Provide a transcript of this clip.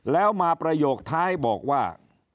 แล้วมาประโยคท้ายบอกว่า